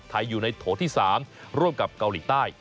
ไทยอยู่ในโถที่๓ร่วมกับเกาหลีใต้